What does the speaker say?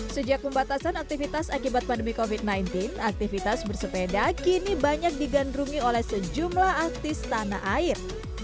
sejak pembatasan aktivitas akibat pandemi covid sembilan belas aktivitas bersepeda kini banyak digandrungi oleh sejumlah artis tanah air